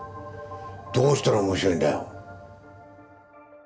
どうしたら面白いんだよ。